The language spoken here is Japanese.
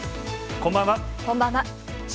こんばんは。